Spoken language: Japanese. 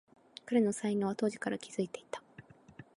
彼の才能は当時から気づいていた